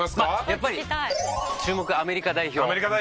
やっぱり注目はアメリカ代表という事で。